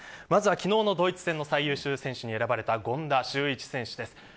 昨日のドイツ戦の最優秀選手に選ばれた権田修一選手です。